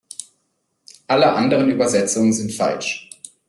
Alle anderen Übersetzungen sind falsch.